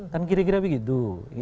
kan kira kira begitu